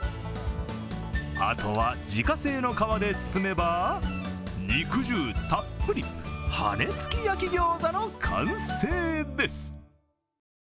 あとは自家製の皮で包めば、肉汁たっぷり羽根付き焼きギョーザの完成です。